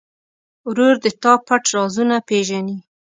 ورور د تا پټ رازونه پېژني.